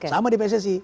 sama di pssi